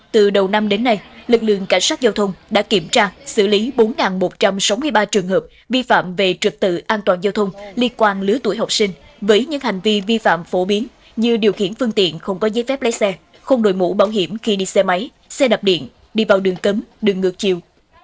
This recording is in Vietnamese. từ đầu năm đến nay lực lượng cảnh sát giao thông đã kiểm tra xử lý bốn một trăm sáu mươi ba trường hợp vi phạm về trực tự an toàn giao thông liên quan lứa tuổi học sinh với những hành vi vi phạm phổ biến như điều khiển phương tiện không có giấy phép lấy xe không đổi mũ bảo hiểm khi đi xe máy xe đạp điện đi vào đường cấm đường ngược chiều